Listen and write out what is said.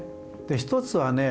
一つはね